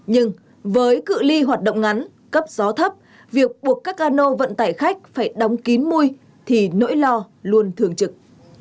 nhưng với cự li hoạt động ngắn cấp gió thấp việc buộc các cano vận tải khách phải đóng kín mùi thì nỗi lo luôn thường trực